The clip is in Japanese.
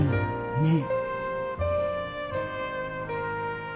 ねえ。